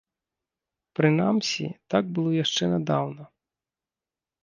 Прынамсі, так было яшчэ нядаўна.